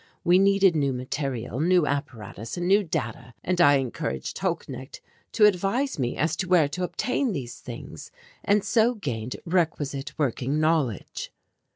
We needed new material, new apparatus, and new data and I encouraged Holknecht to advise me as to where to obtain these things and so gained requisite working knowledge.